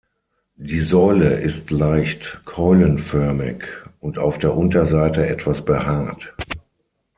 Die Säule ist leicht keulenförmig und auf der Unterseite etwas behaart.